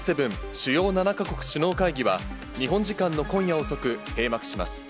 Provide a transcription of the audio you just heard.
・主要７か国首脳会議は、日本時間の今夜遅く、閉幕します。